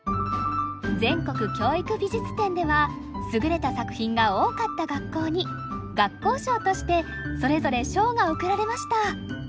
全国教育美術展では優れた作品が多かった学校に学校賞としてそれぞれ賞が贈られました。